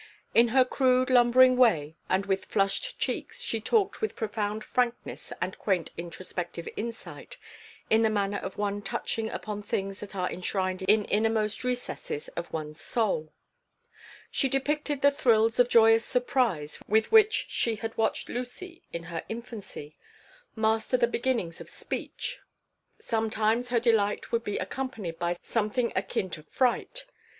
In her crude, lumbering way and with flushed cheeks she talked with profound frankness and quaint introspective insight, in the manner of one touching upon things that are enshined in innermost recesses of one's soul She depicted the thrills of joyous surprise with which she had watched Lucy, in her infancy, master the beginnings of speech. Sometimes her delight would be accompanied by something akin to fright.